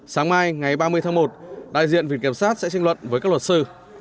sáng mai ngày ba mươi tháng một đại diện vị kiểm soát sẽ trình luận với các luật sư